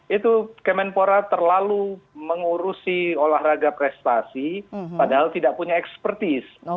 itu kemenpora terlalu mengurusi olahraga prestasi padahal tidak punya ekspertis